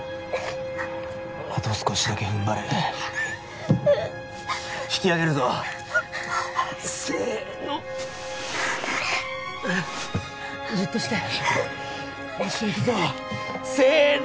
あと少しだけ踏ん張れ引き上げるぞせのじっとしてもう一度いくぞせの！